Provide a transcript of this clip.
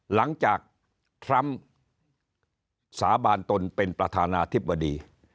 หลังจากทรัมป์สาบานตนเป็นประธานาธิบดี